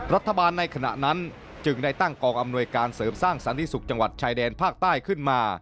รัฐบาลในขณะนั้นจึงได้ตั้งกองอำนวยการเสริมสร้างสันติสุขจังหวัดชายแดนภาคใต้ขึ้นมา